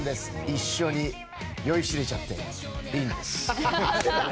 一緒に酔いしれちゃっていいんです！